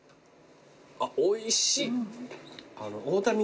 あっおいしい。